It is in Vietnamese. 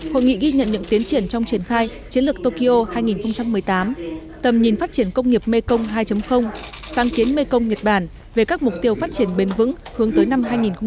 hội nghị ghi nhận những tiến triển trong triển khai chiến lược tokyo hai nghìn một mươi tám tầm nhìn phát triển công nghiệp mekong hai sáng kiến mekong nhật bản về các mục tiêu phát triển bền vững hướng tới năm hai nghìn ba mươi